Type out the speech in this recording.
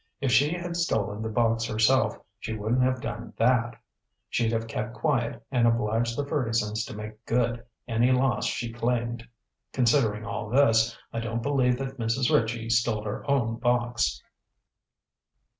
If she had stolen the box herself she wouldn't have done that. She'd have kept quiet and obliged the Fergusons to make good any loss she claimed. Considering all this, I don't believe that Mrs. Ritchie stole her own box.